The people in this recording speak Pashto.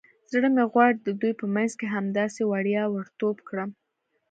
زړه مې غواړي د دوی په منځ کې همداسې وړیا ور ټوپ کړم.